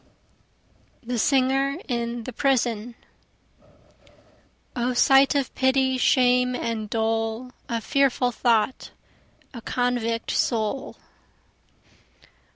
The Singer in the Prison O sight of pity, shame and dole! O fearful thought a convict soul.